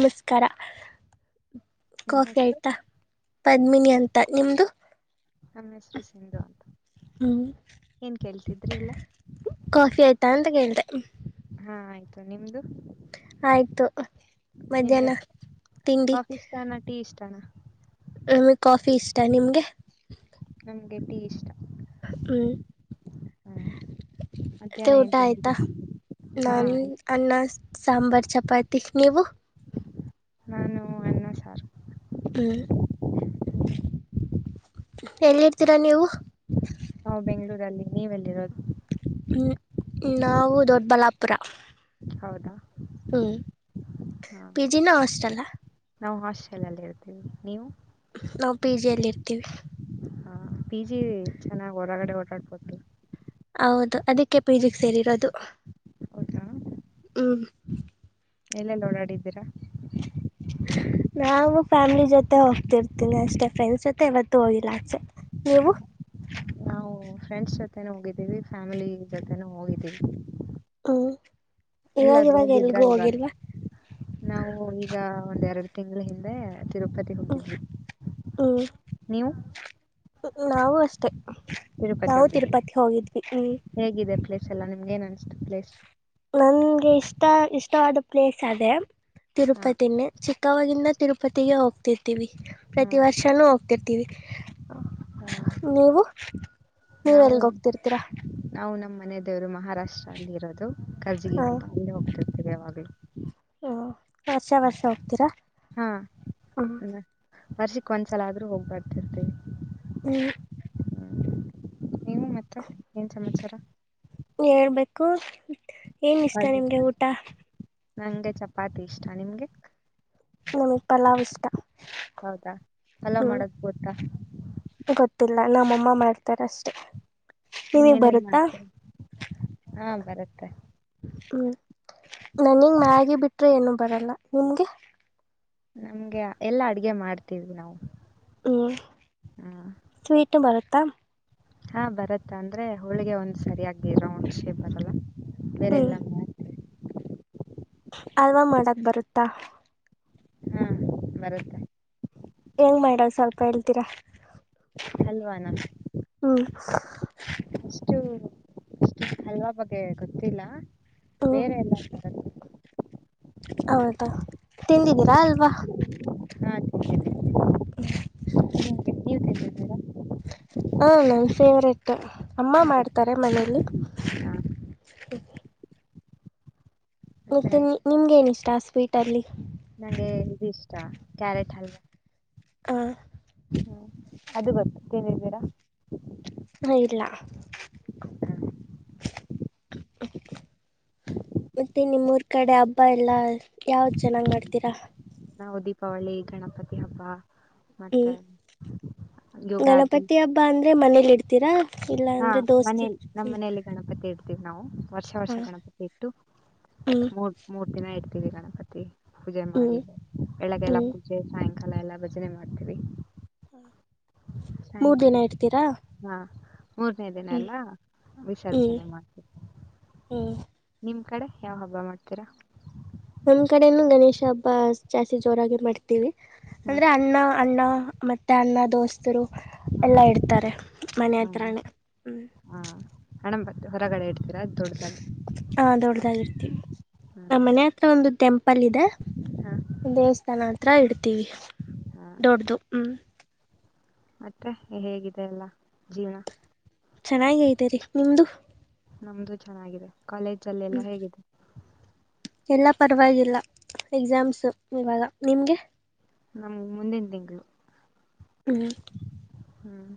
ನಮಸ್ಕಾರ ನಿಮ್ ಕಾಫಿ ಹೆಸರು ಆಯತಾ ಪದ್ಮಿನಿ ಅಂತ ನಿಮ್ದು ನಮ್ಮ ಹೆಸರು ಸಿಂಧು ಅಂತ ಏನ್ ಕೇಳ್ತಿದ್ರಿ ಇಲ್ಲ ಕಾಫಿ ಆಯ್ತಾ ಅಂತ ಕೇಳ್ತೆ ಹಾ ಆಯ್ತು ನಿಮ್ದು ಆಯ್ತು ನಿಮ್ಗೆ ಮಧ್ಯಾಹ್ನ ತಿಂಡಿ ಕಾಫಿ ಇಷ್ಟ ಅಣ್ಣ ಟೀ ಇಷ್ಟಣ ಆ ಕಾಫಿ ಇಷ್ಟಾ ನಿಮ್ಗೆ ನಮ್ಗೆ ಟೀ ಇಷ್ಟ ಹ್ಮ್ ಹ್ಮ್ ಮಧ್ಯಾಹ್ನ ತ ಊಟ ಏನ್ ತಿಂದ್ರಿ ಆಯ್ತಾ ಹಾ ನಾನು ಆಯ್ತು ಅನ್ನ ಸಾಂಬಾರ್ ಚಪಾತಿ ನೀವು ನಾನು ಅನ್ನ ಸಾರ್ ಹ್ಮ್ ಎಲ್ಲಿರ್ತೀರಾ ನೀವು ನಾ್ ಬೆಂಗ್ಗಳೂರಲ್ಲಿ ನೀವೆಲ್ಲಿರೋದು ಹ್ಮ ನಾವು ದೊಡ್ಡಬಳ್ಳಾಪುರ ಹೌದಾ ಹ್ಮ್ ಹಾ ಪಿ ಜಿಿನ ಹಸ್ಟೆಲ್ಲ ನಾವು ಹಾಸ್ಟೆಲ್ಲ್ಲಿ ಇರ್ತೀವಿ ನೀವು ನಾವು ಪಿ ಜಿ ಅಲ್ಲಿ ಇರ್ತೀವಿ ಹ ಪಿ ಜಿ ಚೆನ್ನಾಗಿ್ ಹೊರಗಡೆ ಓಡಾಡ್ಬೋತ ಹೌದು ಅದಕ್ಕೆ ಪೀಜಿಕ್ ಸೇರಿರೋದು ಹೌದಾ ಹ್ಮ ಎಲ್ಲೆಲ್ಲಿ ಓಡಾಡಿದ್ದೀರಾ ನಾವು ಫ್ಯಾಮಿಲಿ ಜೊತೆ ಹೋಗ್ತಿರ್ತೀನಿ ಅಷ್ಟೆ ಫ್ರೆಂಡ್ಸ್ ಜೊತೆ ಇವತ್ತುೂ ಹೋಗಿಲ್ಲ ಆಚೆ ನೀವು ನಾವು ಫ್ರೆಂಡ್ಸ್ ಜೊತೆನ ಹೋಗಿದ್ದೀವಿ ಫ್ಯಾಮಿಲಿ ಜೊತೆನೂ ಹೋಗಿದ್ದೀವಿ ಹ್ಮ್ ಇವಾಗ ಎಲ್ಲಾದ್ರೂ ಇವಾಗ ಹೋಗಿದ್ರ ಎಲ್ಗೂ ಇವಾಗ ಹೋಗಿಲ್ವಾ ನಾವು ಈಗ ಒಂದ್ ಎರಡು ತಿಂಗಳ ಹಿಂದೆ ತಿರುಪತಿ ಹ್ಮ ಹೋಗಿದ್ವಿ ಹ್ಮ್ ನೀವು ನಾವು ಅಷ್ಟೆ ತಿರುಪತಿ ನಾವು ಹೋಗಿದ್ದೀವಿ ತಿರುಪತಿ ಹೋಗಿದ್ವಿ ಹ್ಮ್ ಹೇಗಿದೆ ಪ್ಲೇಸ್ ಎಲ್ಲ ನಿಮ್ಗೆ ಏನ್ ಅನ್ನಿಸ್ತು ಪ್ಲೇಸ್ ನನ್ಗೆ ಇಷ್ಟ ಇಷ್ಟವಾದ ಪ್ಲೇಸ್ ಅದೇ ಹಾ ತಿರುಪತಿನೇ ಚಿಕ್ಕವಾಗಿವಾಗಿಂದ ತಿರುಪತಿಗೆ ಹೋಗ್ತಿರ್ತೀವಿ ಹಾ ಪ್ರತಿ ವರ್ಷನೂ ಹೋಗ್ತಿರ್ತೀವಿ ಹಾ ನೀವು ನೀವ್ ನಾವು ಎಲ್ಗ ಹೋಗ್ತಿರ್ತೀರಾ ನಾವು ನಮ್ಮ ಮನದೇವರು ಮಹಾರಾಷ್ಟ್ರ ಅಲ್ಲಿ ಇರೋದು ಕರ್ಜಗಿ ಅಂತ ಅಲ್ಲಿ ಹೋಗ್ತಿರ್ತೀವಿ ಯಾವಾಗಲೂ ಹ್ಮ ವರ್ಷ ವರ್ಷ ಹೋಗ್ತೀರಾ ಹಾ ಹ್ಮ ನ- ವರ್ಷಕ್ಕೆ ಒಂದ್ಸಲ ಆದ್ರೂ ಹೋಗ್ ಬರ್ತಿರ್ತಿವಿ ಹ್ಮ್ ನೀವು ಮತ್ತ ಏನ್ ಸಮಾಚಾರ ಹೇಳ್ಬೇಕು ಏನು ಇಷ್ಟ ಕಾಲೇಜ್? ನಿಮಗೆ ಊಟ ನಂಗೆ ಚಪಾತಿ ಇಷ್ಟ ನಿಮ್ಗೆ ನಮಿ ಪಲಾವ್ ಇಷ್ಟ ಹೌದಾ ಪಲಾವ್ ಹ್ಮ್ ಮಾಡೋದ್ ಗೊತ್ತಾ ಗೊತ್ತಿಲ್ಲ ನಮ್ಮಮ್ಮ ಮಾಡ್ತಾರ ಅಷ್ಟೆ ನೀನ್ ನಿಮಗ್ ಎನೇನ್ ಬರುತ್ತಾ ಮಾಡ್ತ ಹಾ ಬರುತ್ತೆ ಹ್ಮ್ ನನಿಂಗ ಮ್ಯಾಗಿ ಬಿಟ್ರೆ ಏನು ಬರಲ್ಲ ನಿಮ್ಗೆ ನಮ್ಗೆ ಎಲ್ಲಾ ಅಡ್ಗೆ ಮಾಡ್ತಿದ್ವಿ ನಾವು ಹ್ಮ್ ಹಾ. ಸ್ವೀಟು ಬರುತ್ತಾ ಹಾ ಬರತ್ತ ಅಂದ್ರೆ ಹೋಳಿಗೆ ಒಂದ್ ಸರಿಯಾಗಿರ ಒಂದ್ ರೌಂಡ ಶೇಪ್ ಬರಲ್ಲ ಬೇರೆ ಹ್ಮ್ ಎಲ್ಲ ಅಲ್ವಾ ಮಾಡಕ್ ಬರುತ್ತಾ ಹಾ ಬರುತ್ತೆ ಹೆಂಗ್ ಮಾಡದ ಸ್ವಲ್ಪ ಹೇಳ್ತೀರಾ ಹಲ್ವಾನ [unintelligible] ಹ್ಮ್ ಅಷ್ಟು ಅಷ್ಟು ಹಲ್ವ ಬಗ್ಗೆ ಗೊತ್ತಿಲ್ಲ ಹ್ಮ್ ಬೇರೆ ಎಲ್ಲ ತರ ಹೌದಾ ತಿಂದಿದ್ದೀರಾ ಅಲ್ವಾ ಹಾ ತಿಂದಿದಿನಿ ಎ ನೀವ ತಿಿಂದಿದೀರಾ ಹಾಂ ನನ್ನು ಫೇವ್ರೇಟ್ ಅಮ್ಮ ಹೌದಾ ಮಾಡ್ತಾರೆ ಮನಲಿ ಮತ್ತೆ ನಿಮ್ಗೆ ಏನಿಷ್ಟ ಸ್ವೀಟ್ ಅಲ್ಲಿ ನಂಗೆ ಇದು ಇಷ್ಟ ಕ್ಯಾರೆಟ್ ಹಲ್ವಾ ಹಾ ಹ್ಮ್ ಅದು ಬರ್ತೇನದ್ದೀರಾ ಹ ಇಲ್ಲ ಮತ್ತೆ ನಿಮ್ಮೂರ್ ಕಡೆ ಹಬ್ಬ ಎಲ್ಲಾ ಯಾವ್ದ ಜನಾಂಗ್ ಮಾಡ್ತೀರಾ ನಾವು ದೀಪಾವಳಿ ಗಣಪತಿ ಹಬ್ಬ ಹ್ಮ್ ಮತ್ತೆ ಯುೋಗಾದಿ ಹಬ್ಬಾ ಅಂದ್ರೆ ಮನೇಲಿ ಇಡ್ತೀರಾ ಇಲ್ಲ ಹಾ ಅಂದ್ರೆ ದೋಸ್ತ್ ಮನೇಲಿ ಹ ನಮ್ಮ ಮನೆಯಲ್ಲಿ ಗಣಪತಿ ಇಡ್ತೀವಿ ನಾವು ವರ್ಷ ವರ್ಷ ಗಣಪತಿ ಇಟ್ಟು ಹ್ಮ್ ಮೂಡ್ ಮೂರ್ ದಿನ ಇರ್ತೀವಿ ಗಣಪತಿ ಪೂಜೆ ಮಾಡಿ ಹ್ಮ್ ಬೆಳಗ್ಗೆ ಎಲ್ಲ ಹ್ಮ್ ಪೂಜ ಸಾಯಂಕಾಲ ಎಲ್ಲ ಭಜನೆ ಮಾಡ್ತೀವಿ ಮೂರ್ ಸಾಯಂಕಾಲ ದಿನ ಇಡ್ತೀರಾ ಹಾ ಮೂರನೇ ದಿನ ಹ್ಮ್ ಎಲ್ಲ ಹ್ಮ್ ವಿಸರ್ಜನೆ ಮಾಡ್ತೀವಿ ಹ್ಮ್ ನಿಮ್ ಕಡೆ ಯಾವ್ ಹಬ್ಬ ಮಾಡ್ತೀರಾ ನಮ್ ಕಡೆನು ಗಣೇಶ ಹಬ್ಬ ಜಾಸ್ತಿ ಜೋರಾಗಿ ಮಾಡ್ತೀವಿ ಹ್ಮ್ ಅಂದ್ರೆ ಅಣ್ಣ ಅಣ್ಣ ಮತ್ತು ಅನ್ನ ದೋಸ್ತರು ಹ್ಮ್ ಎಲ್ಲ ಇರ್ತಾರೆ ಮನೆ ಹ್ಮ್ ಹತ್ರಿನೇ ಹ್ಞ ಹಾ ಹಣಂಬತ್ ಹೊರಗಡೆ ಇಡ್ತವಿ ಹಾದೊಡದಾಗಿರುತಿ ಹ್ಮ್ ನಮ್ಮನ ಒಂದು ಟೆಂಪಲ್ ಇದೆ ಹಾ ದೇವಸ್ಥಾನ ಹತ್ರ ಇಡ್ತೀವಿ ಹಾ ದೊಡ್ಡದು ಹ್ಮ್ ಮತ್ತೆ ಹೇಗಿದೆ ಅಲ್ಲ ಜೀವನ ಚೆನ್ನಾಗ ನಿಮ್ದು ನಮ್ದು ಚೆನ್ನಾಗಿದೆ ಕಾಲೇಜ್ ಅಲ್ಲೆ ಎಲ್ಲಾ ಹ್ಮ್ ಹೇಗಿದೆ ಎಲ್ಲ ಪರವಾಗಿಲ್ಲ ಎಕ್ಸಾಮ್ಸು ಇವಾಗ ನಿಮಗೆ ನಮ್ಗ್ ಮುಂದಿನ ತಿಂಗಳು ಹ್ಮ್ ಹ್ಮ್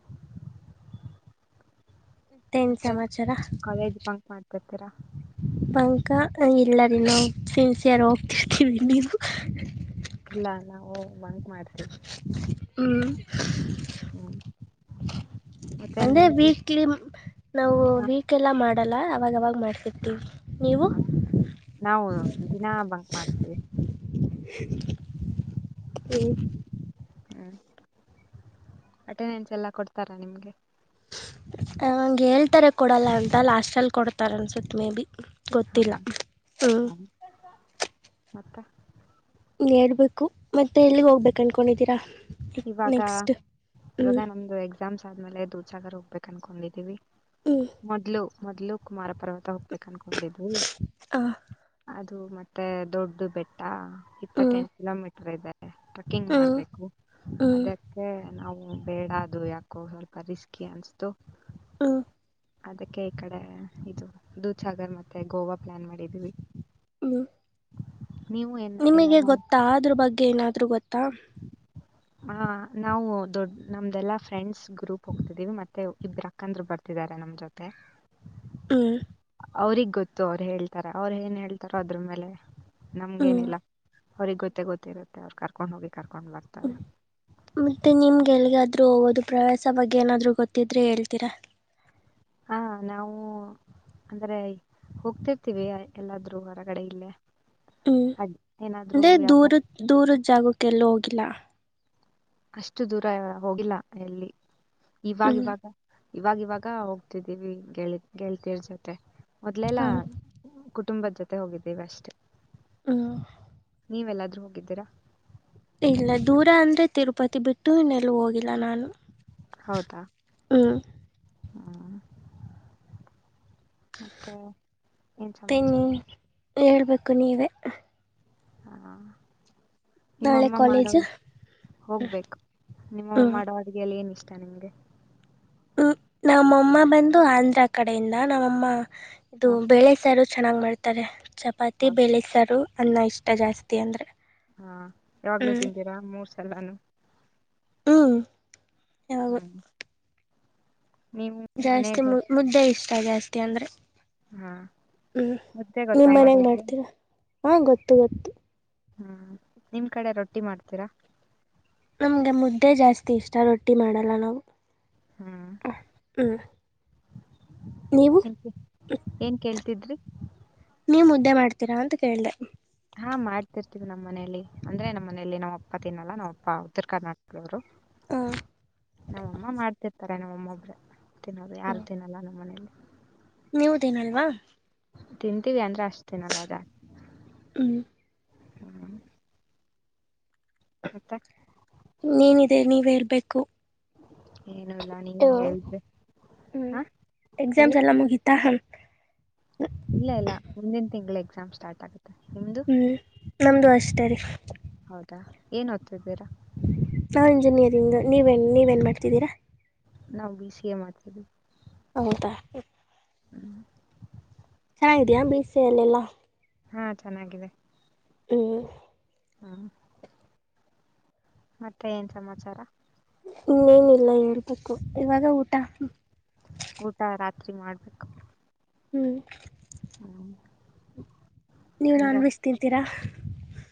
ಮತ್ತೇನ್ ಮತ್ತೆ ಸಮಾಚಾರ ಕಾಲೇಜ್ ಪಂಕ್ ಮಾಡ್ತಿರ್ತೀರಾ ಬಂಕ ಹ ಎಲ್ಲರಿ ನ ಸಿನ್ಸಿಯರ್ ಹೋಗ್ತಿರ್ತೀವಿ ನೀವು ಇಲ್ಲ ನಾವು ಬ ಮಾಡ್ತವಿ ಹ್ಮ್ ಹ್ಮ ಅಂದ್ರೆ ವೀಕ್ಲಿ ನಾವು ಹ ವೀಕ್ ಎಲ್ಲಾ ಮಾಡಲ್ಲ ಅವಾಗವಾಗ ಮಾಡ್ತಿರ್ತಿವಿ ಹಾ ನಾವು ದಿನ ಬಂಕ್ ಮಾಡ್ತೇವಿ ಹಓ ಹ್ಮ್ ಅಟೆಂಡೆನ್ಸ್ ಎಲ್ಲ ಕೊಡ್ತಾರಾ ನಿಮ್ಗೆ ಹಂಗೆ ಹೇಳ್ತಾರೆ ಕೊಡಲ್ಲ ಅಂತ ಲಾಸ್ಟಲ್ಲಿ ಕೊಡ್ತಾರೆ ಅನ್ಸುತ್ತೆ ಮೇ ಬಿ ಹಾ ಗೊತ್ತಿಲ್ಲ ಹ್ಞೂ ಹಾ ಮತ್ತೆ ಹೇಳ್ಬೇಕು ಮತ್ತೆ ಎಲ್ಲಿಗೆ ಹೋಗ್ಬೇಕು ಅನ್ಕೊಂಡಿದ್ದೀರಾ ಇವಾಗ ಇವಾಗ ನಮ್ದು ಎ ಎಕ್ಸಾಮ್ಸ್ ಆದ್ಮೇಲೆ ದೂಸಾಗರ್ ಹೋಗ್ಬೇಕು ಅನ್ಕೊಂಡಿದೀವಿ ಹ್ಞೂ ಮೊದ್ಲು ಮೊದ್ಲು ಕುಮಾರ ಪರ್ವತ ಹೋಗ್ಬೇಕ ಅನ್ಕೊಂಡಿದ್ ಹಾಂ ಅದು ಮತ್ತೆ ದೊಡ್ಡ ಬೆಟ್ಟ ಹ್ಞೂ ಇಪ್ಪತ್ತೆಂಟು ಕಿಲೋಮೀಟರ್ ಇದೆ ಟ್ರಕ್ಕಿಂಗ್ ಹ್ಞೂ ಮಾಡ್ಬೇಕು ಹ್ಞೂ ಅದಕ್ಕೆ ನಾವು ಬೇಡ ಅದು ಯಾಕೋ ಸ್ವಲ್ಪ ರಿಸ್ಕಿ ಅನ್ಿಸತು ಹಂ ಅದಕ್ಕೆ ಈ ಕಡೆ ಇದು ದೂಸಾಗರ್ ಮತ್ತೆ ಗೋವಾ ಪ್ಲಾನ್ ಮಾಡಿದೀವಿ ಹ್ಞ ನೀವು ಏನ್ ಎಲ್ಲ ನಾ ತ್ತಾದ್ರ ಬಗ್ಗೆ ಏನಾದ್ ಗೊತ್ತಾ ಹ ನಾವು ದೊಡ್ ನಮ್ದೆಲ್ಲಾ ಫ್ರೆಂಡ್ಸ್ ಗ್ರೂಪ್ ಹೋಗ್ತಿದೀವಿ ಮತ್ತೆ ಇಬ್ರ ಯಾಕಂದ್ರರು ಬರ್ತಿದ್ದಾರೆ ನಮ್ಮ್ ಜೊತೆ ಹ್ಮ ಅವ್ರಗ್ ಗೊತ್ತು ಅವರು ಹೇಳ್ತಾರೆ ಅವ್ರ ಏನ್ ಹೇಳ್ತಾರೋ ಅದ್ರ ಮೇಲೆ ಹ್ಞೂ ನಮ್ಗೇನಿಲ್ಲ ಅವ್ರಿಗೆ ಗೊತ್ತ ಗೊತ್ತಿರುತ್ತೆ ಅವ್ರು ಕರ್ಕೊಂಡ್ ಹೋಗಿ ಕರ್ಕೊಂಡ್ಲಾಗ್ತಾರೆ ಮತ್ತೆ ನಿಮ್ಗೆ ಎಲ್ಗಾದ್ರು ಹೋಗೋದು ಪ್ರವಾಸ ಬಗ್ಗೆ ಏನಾದ್ರು ಗೊತ್ತಿದ್ರೆ ಹೇಳ್ತೀರಾ ಹಾ ನಾವು ಅಂದ್ರೆ ಹೋಗ್ತಿರ್ತೀವಿ ಎಲ್ಲಾದ್ರೂ ಹೊರಗಡೆ ಇಲ್ಲೇ ಹ್ಮ್ ಅದ್ ಏನಾದ್ರು ಅಂದೆ ಯಾವ ದೂರದ ದೂರದ ಜಾಗಕ್ಕೆ ಎಲ್ಲ ಹೋಗಿಲ್ಲ ಅಷ್ಟು ದೂರ ಹೋಗಿಲ್ಲ ಎಲ್ಲಿ ಹ್ಮ್ ಇವಾಗವಾಗ ಇವಾಗ ಇವಾಗ ಹೋಗ್ತಿದ್ದೀವಿ ಗೆಳ ಗೆಳ್ತಿರ್ ಜೊತೆ ಮೊದ್ಲೆಲ್ಲ ಹಾಂ ಕುಟುಂಬದ ಜೊತೆ ಹೋಗಿದ್ದೀವಿ ಅಷ್ಟೇ ಹ ನೀವೆ ಎಲ್ಲಾದ್ರೂ ಹೋಗಿದ್ದೀರಾ ಇಲ್ಲ ದೂರ ಅಂದರೆ ತಿರುಪತಿ ಬಿಟ್ಟು ಇನ್ನೆಲ್ಲ ಹೋಗಿಲ್ಲ ನಾನು ಹೌದಾ ಹ್ಞೂ ಹ ಮತ್ತುತ್ತೆ ಏನು ಮತ್ತೆ ಸಮಾಚಾರ ನೀವು ಹೇಳ್ಬೇಕು ನೀವೇ ಹಾ ನಾಳೆ ನಿಮ್ಮಮ್ಮ ಮಾಡ ಕಾಲೇಜು ಹೋಗ್ಬೇಕು ನಿಮ್ಮಮ್ಮ ಹ್ಞೂ ಮಾಡೋ ಎಲ್ಲಿ ಏನ್ ಇಷ್ಟ ನಿಮ್ಗೆ ನಮ್ಮಮ್ಮ ಬಂದು ಆಂಧ್ರ ಕಡೆಯಿಂದ ನಮ್ಮಮ್ಮ ಇದು ಹ ಬೇಳೆಸರ ಚೆನ್ನಾಗಿ್ ಮಾಡ್ತಾರೆ ಚಪಾತಿ ಹೌದು ಬೇಳೆಸಾರು ಅನ್ನ ಇಷ್ಟ ಜಾಸ್ತಿ ಅಂದರೆ ಹಾ ಯಾವಾಗ್ಲುೂ ಹ್ಞೂ ತಿಂತೀರಾ ಮೂರ್ ಸಲಾನು ಹ್ಮ ಹುಂ ಜಾಸ್ತಿ ಮನೆಗೆ ಮುದ್ದು ಮುದ್ದೆ ಇತ್ತ ಜಾಸ್ತಿ ಅಂದ್ರೆ ಹಾ ಹ್ಮ್ ಮುದ್ದೆ ಗೊತ್ತಾ ನಿಮ್ಮ್ ಮನ್ಯಾಗ ಮಾಡೋದು ಮಾಡ್ತೀರಾ ಹಾ ಗೊತ್ತು ಗೊತ್ತು ಹ್ಮ ನಿಮ್ ಕಡೆ ರೊಟ್ಟಿ ಮಾಡ್ತೀರಾ ನಮ್ಗೆ ಮುದ್ದೆ ಜಾಸ್ತಿ ಇಷ್ಟ ರೊಟ್ಟಿ ಮಾಡಲ್ಲ ನಾವು ಹಾ್ ಹ್ಞೂ ನೀವು ಏನ್ ಕೇಳ್ತಿದ್ರಿ ನೀವ್ ಮುದ್ದೆ ಮಾಡ್ತೀರಾ ಅಂತ ಕೇಳ್ದ ಹಾ ಮಾಡ್ತಿರ್ತೀವಿ ನಮ್ಮ ಮನಲಿ ಅಂದ್ರೆ ನಮ್ಮ ಮನಲಿ ನಾವ್ಪ್ಪ ತಿನ್ನಲ್ಲ ನಾವ್ಪ್ಪ ಉತ್ತರ ಕರ್ನಾಟಕದವರು ಹಾಂ ನಮ್ಮಮ್ಮ ಮಾಡ್ತಿರ್ತಾರೆ ನಮ್ಮಮ್ಮ ಒಬ್ರ ತಿನ್ನೋರು ಹ್ಞೂ ಯಾರು ತಿನ್ನಲ್ಲ ನಮ್ಮ ಮನೇಲಿ ನೀವು ತಿನಲ್ವಾ ತಿಂತೀವಿ ಅಂದ್ರೆ ಅಷ್ಟು ತಿನಲ್ಲ ಜಾಸ್ತಿ ಹ್ಮ್ ಹ್ಮ್ ಮತ್ತೆ ನೀನಿದೆ ನೀವೇರ್ಬೇಕು ಏನು ಇಲ್ಲಾ ನೀವ ಹೇಳಿದ್ರಿ ಹ ಹೇಳಿ ಅ ಮುಗಿತ ಹಲ್ಕು ಇಲ್ಲ ಇಲ್ಲ ಮುಂದಿನ ತಿಂಗಳು ಎಕ್ಸಾಮ್ ಸ್ಟಾರ್ಟ್ ಆಗುತ್ತೆ ನಿಮ್ದು ಹ್ಮ್ ನಮ್ದ ಅಷ್ಟ ರೀ ಹೌದಾ ಏನ್ ಹತ್ದೀರಾ ನಾ ಇಂಜಿನಿಯರಿಂಗ್ ನೀವೇನ್ ನೀವೇನ್ ಮಾಡ್ತಿದ್ದೀರಾ ನಾವು ಬಿ ಸಿ ಎ ಮಾಡ್ತೀವಿ ಹೌದ ಹ್ಮ್ ಚೆನ್ನಾಗಿದಯಾ ಬೀಸ ಎಲ್ಲೆಲ್ಲಾ ಹಾ ಚೆನ್ನಾಗಿದೆ ಹ್ಮ್ ಹ್ಮ ಮತ್ತೆ ಏನ್ ಸಮಾಚಾರ ಇನ್ನೇನಿಲ್ಲ ಹೇಳ್ಬೇಕು ಇವಾಗ ಊಟ ಊಟ ರಾತ್ರಿ ಮಾಡ್ಬೇಕು ಹ್ಮ್ ಹೂ ನೀವು ನಾನ್ ವೆಜ್ ತಿಂತೀರಾ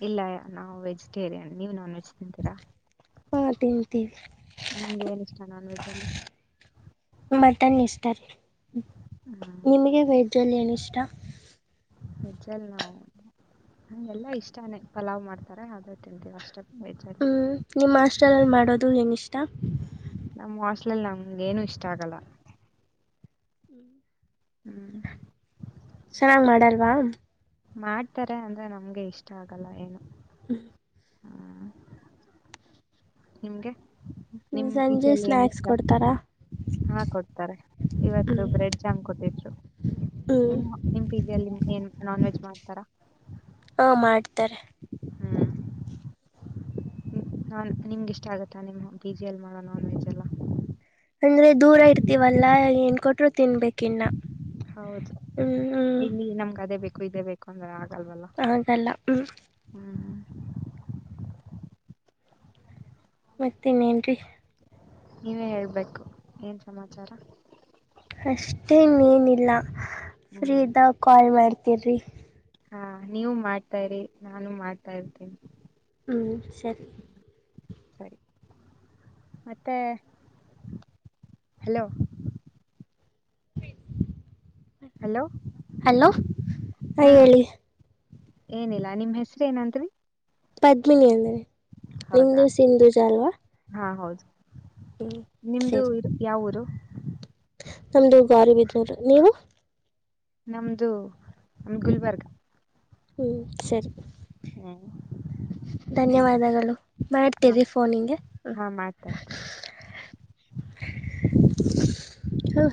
ಇಲ್ಲ ನಾವು ವೆಜಿಟೇರಿಯನ್ ನೀವು ನಾನ್ ವೆಜ ಓತೀರಾ ಹಾಂ ತಿಂತೀವಿ ನಿಮ್ಗೆ ಏನ ಇಷ್ಟ ನಾನ್ ವೆಜ್ ಅಲ್ಲಿ ಮತನ್ ಇಷ್ಟ ರೀ ಹ್ಮ್ ನಿಮ್ಗೆ ವೈಜಲ್ಲಿ ಏನ ಇಷ್ಟ ಹ ಚಲ್ಲ ನ ಹ ಎಲ್ಲಾ ಇಷ್ಟಾನೇ ಪಲಾವ್ ಮಾಡ್ತಾರೆ ಆದ್ರೂ ತಿಂತೀವಿ ಅಷ್ಟ ಹೆ ಹ್ಮ್ ನಿಮ್ಮ ಆಸ್ಟರ್ಲ್ಲಿ ಮಾಡೋದು ಹೆಂಗಿಷ್ಟ ನಮ್ಮ್ ವಾಸ್ಲಲ್ಲಿ ನಮ್ಗ ಏನು ಇಷ್ಟ ಆಗಲ್ಲ ಹ್ಮ್ ಹ್ಮ್ ಚೆನ್ನಾಗಾಗಿ್ ಮಾಡಲ್ವಾ ಮಾಡ್ತಾರೆ ಅಂದ್ರೆ ನಮ್ಗೆ ಇಷ್ಟ ಆಗಲ್ಲ ಏನು ಹ ಹ್ಮ್ ನಿಮ್ಗೆ ನಿಮ್ ಸಂಜೆ ಈೀಚೆಯಲ್ಲಿ ಏನ್ ಸ್ನ್ಯಾಕ್ಸ್ ಇಷ್ಟ ಕೊಡ್ತಾರಾ ಹಾ ಕೊಡ್ತಾರೆ ಇವತ್ತು ಬ್ರೆಡ್ ಜಾಮ್ ಕೊಟ್ಟಿದ್ರು ಹ್ಮ್ ನಿಮ್ಮ ನಿಮ್ಮ್ ಪೀಜಲ್ಲಿ ಏನ್ ನಾನ್ ವೆಜ್ ಮಾಡ್ತಾರ ಹಾ ಮಾಡ್ತಾರೆ ಹ್ಮ್ ನಾನ್ ನಿಮ್ಗೆ ಇಷ್ಟ ಆಗುತ್ತಾ ನಿಮ್ಮ ಪಜಿ ಎಲ್ಲಿ ಮಾಡೋ ನಾನ್ ವೆಜ್ ಎಲ್ಲ ಅಂದ್ರೆ ದೂರ ಇರ್ತೀವಲ್ಲಾ ಏನ್ ಕೊಟರು ತಿನ್ಬೇಕ ಇನ್ನ ಹೌದು ಇಲ್ಲಿ ನಮ್ಗ ಅದೇ ಬೇಕು ಇದೇ ಬೇಕು ಅಂದ್ರೆ ಆಗಲ್ವಲ್ಲ ಹಾಗಲ್ಲ ಹ್ಮ್ ಹ್ಮ್ ಮತ್ತೆ ನೇನ್ರಿ ನೀವೇ ಹೇಳ್ಬೇಕು ಏನ್ ಸಮಾಚಾರ ಅಷ್ಟೇನ್ನಏನಿಲ್ಲ ಹ್ಮ್ ಫ್ರೀದಾಗ ಕಾಲ್ ಮಾಡ್ತೀರಿ ಹಾ ನೀವು ಮಾಡ್ತಾ ಇರಿ ನಾನು ಮಾಡ್ತಾ ಇರ್ತೀನಿ ಹ್ಮ್ ಸರಿ ಸರಿ ಮತ್ತೆ ಹಲೋ ಹಲೋ ಹಲೋ ಹ ಹೇಳಿ ಏನಿಲ್ಲಾ ನಿಮ ಹೆಸರು ಏನಂರಿ ಪದ್ಮಿನಿ ಅಂದನೆ ನಿಮ ಹೌದಾ ದಿವಸ ಇಂಧೂಜ ಅಲ್ವಾ ಹಾ ಹೌದು ಹ್ಞೂ ನಿಮ್ದು ಸರಿ ಯಾವ ಊರು ನಮ್ದು ಗರಿಬಿದೂರು ನೀವು ನಮ್ದು ನಮ ಗುಲ್ಬರ್ಗ ಹ್ಮ್ ಸರಿ ಹಾ ಧನ್ಯವಾದಗಳು ಹಾ ಮಾಡ್ತೀರಿ ಫೋನಗೆ ಹಾ ಮಾಡ್ತಾರೆ. ಹ